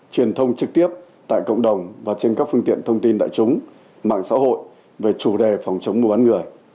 truyền thông trực tiếp tại cộng đồng và trên các phương tiện thông tin đại chúng mạng xã hội về chủ đề phòng chống mua bán người